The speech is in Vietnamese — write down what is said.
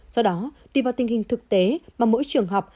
do đó tùy vào tình hình thực tế mà mỗi trường học